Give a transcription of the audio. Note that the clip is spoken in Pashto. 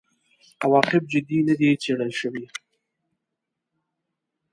عواقب جدي نه دي څېړل شوي.